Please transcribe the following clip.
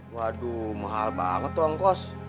waduh mahal banget ongkos